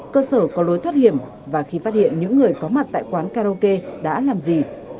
cơ sở có lối thoát hiểm và khi phát hiện những người có mặt tại quán karaoke đã làm gì